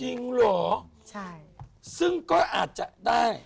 จริงเหรอใช่ซึ่งก็อาจจะได้